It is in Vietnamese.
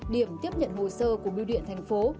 điểm tiếp nhận hồ sơ của biêu điện thành phố